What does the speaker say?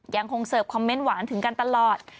เสิร์ฟคอมเมนต์หวานถึงกันตลอด